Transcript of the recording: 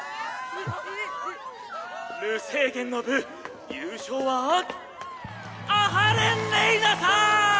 無制限の部優勝は阿波連れいなさん！